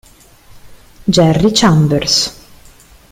Jerry Chambers